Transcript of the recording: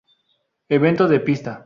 Evento de Pista